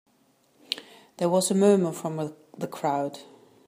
There was a murmur from the crowd.